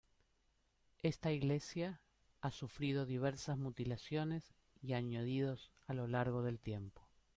Esta iglesia ha sufrido diversas mutilaciones y añadidos a lo largo del tiempo.